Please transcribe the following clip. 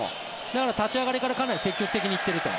だから立ち上がりからかなり積極的に行っていると。